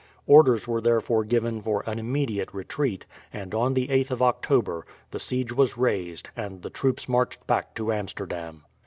Orders were therefore given for an immediate retreat, and on the 8th of October the siege was raised and the troops marched back to Amsterdam.